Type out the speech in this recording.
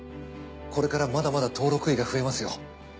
これからまだまだ登録医が増えますよ。